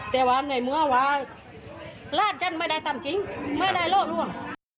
แต่ว่าในเมื่อไหวราชจันทร์ไม่ได้ต่ำจริงไม่ได้โลกล่วง